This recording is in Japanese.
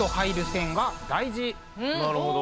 なるほど。